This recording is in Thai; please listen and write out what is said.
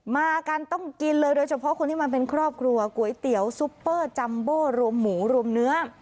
มากันต้องกินเลยโดยเฉพาะคนที่มาเป็นครอบครัวก๋วยเตี๋ยวซุปเปอร์จัมโบรวมหมูรวมเนื้อ